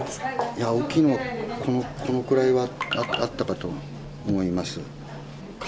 いや、大きいのはこのくらいはあったかと思います。